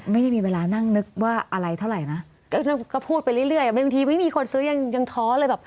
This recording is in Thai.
ไม่ได้มีเวลานั่งนึกว่าอะไรเท่าไหร่นะก็พูดไปเรื่อยบางทีไม่มีคนซื้อยังยังท้อเลยแบบ